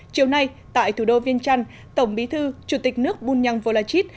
chiều nay tại thủ đô viên trăn tổng bí thư chủ tịch nước bunyang volachit